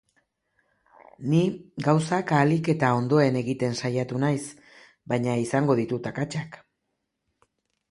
Ni gauzak ahalik eta ondoen egiten saiatu naiz, baina izango ditut akatsak.